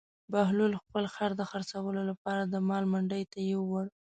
بهلول خپل خر د خرڅولو لپاره د مال منډي ته یووړ.